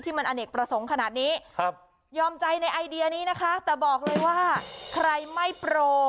มันอเนกประสงค์ขนาดนี้ครับยอมใจในไอเดียนี้นะคะแต่บอกเลยว่าใครไม่โปร